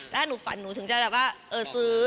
ถ้าหนูฝันหนูถึงจะแบบว่าเออซื้อ